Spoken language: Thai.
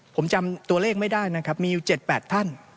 ผมจำตัวเลขไม่ได้นะครับมีอยู่๗๘ท่าน